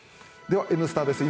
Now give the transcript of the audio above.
では「Ｎスタ」です。